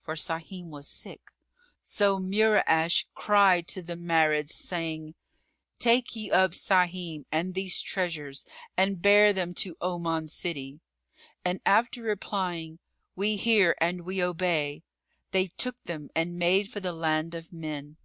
For Sahim was sick. So Mura'ash cried to the Marids, saying, "Take ye up Sahim and these treasures and bear them to Oman city." And after replying, "We hear and we obey," they took them and made for the land of men.